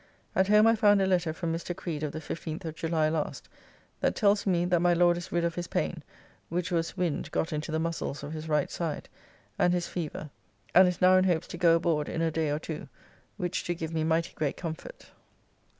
At home I found a letter from Mr. Creed of the 15th of July last, that tells me that my Lord is rid of his pain (which was wind got into the muscles of his right side) and his feaver, and is now in hopes to go aboard in a day or two, which do give me mighty great comfort.